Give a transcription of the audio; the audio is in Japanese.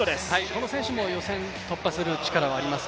この選手も予選を突破する力はあります。